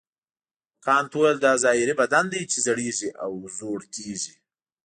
کانت وویل دا ظاهري بدن دی چې زړیږي او زوړ کیږي.